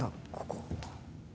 ここ。